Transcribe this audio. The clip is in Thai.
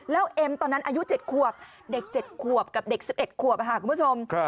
แล้วเอ็มตอนนั้นอายุ๗ขวบเด็ก๗ขวบกับเด็ก๑๑ขวบคุณผู้ชม